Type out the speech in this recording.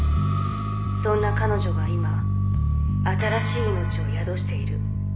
「そんな彼女が今新しい命を宿している」